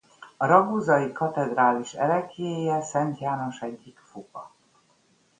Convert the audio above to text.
A ragusai katedrális ereklyéje Szent János egyik foga.